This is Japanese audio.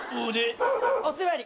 お座り。